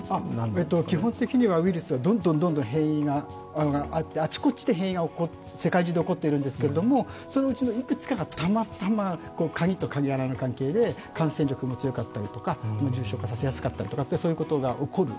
基本的にはウイルスはどんどん変異があってあちこちで、世界中で変異が起こっているんですけどそのうちのいくつかがたまたま鍵と鍵穴の関係で感染力が強かったり、重症化させやすかったり、そういうことが起こる。